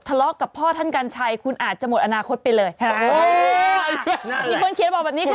ทะเลาะกับพ่อท่านกัญชัยคุณอาจจะหมดอนาคตไปเลย